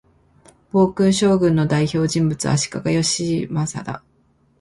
暴君将軍の代表人物は、足利義教だ